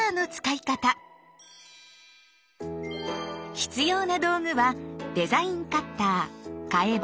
必要な道具はデザインカッターって？